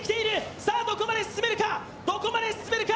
さぁ、どこまで進めるか、どこまで進めるか。